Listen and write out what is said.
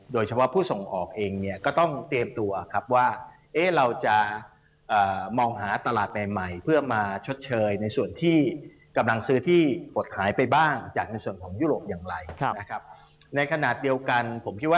โดยเฉพาะผู้ส่งออกเอง